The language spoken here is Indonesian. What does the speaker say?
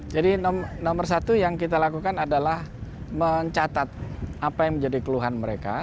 jadi nomor satu yang kita lakukan adalah mencatat apa yang menjadi keluhan mereka